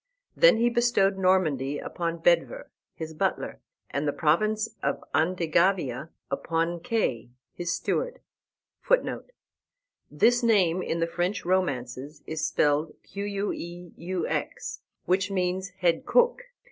Then he bestowed Normandy upon Bedver, his butler, and the province of Andegavia upon Kay, his steward, [Footnote: This name, in the French romances, is spelled Queux, which means head cook.